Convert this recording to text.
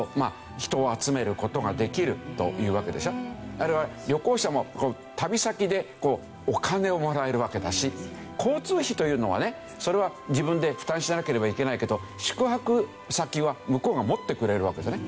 あるいは旅行者も旅先でお金をもらえるわけだし交通費というのはねそれは自分で負担しなければいけないけど宿泊先は向こうが持ってくれるわけですよね。